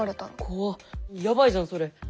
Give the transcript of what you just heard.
怖っやばいじゃんそれ。